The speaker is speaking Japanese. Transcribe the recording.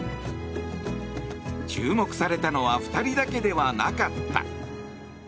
注目されたのは２人だけではなかった。